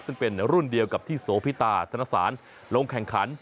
ซึ่งเป็นรุ่นเดียวกับที่โสพิตาธนสารลงแข่งขัน